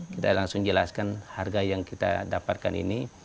kita langsung jelaskan harga yang kita dapatkan ini